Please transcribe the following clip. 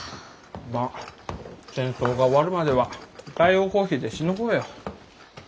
まあ戦争が終わるまでは代用コーヒーでしのごうよ。